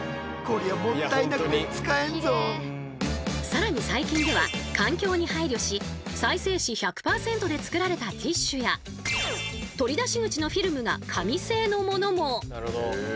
更に最近では環境に配慮し再生紙１００％で作られたティッシュや取り出し口のフィルムが紙製のものも。